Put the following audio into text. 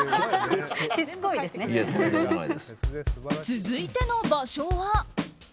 続いての場所は。